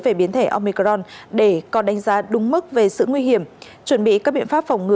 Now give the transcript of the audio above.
về biến thể omicron để có đánh giá đúng mức về sự nguy hiểm chuẩn bị các biện pháp phòng ngừa